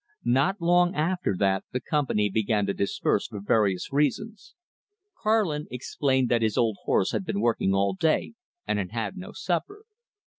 Not long after that the company began to disperse for various reasons. Karlin explained that his old horse had been working all day, and had had no supper.